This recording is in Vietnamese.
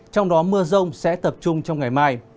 trong đó mưa rông sẽ tập trung trong ngày mai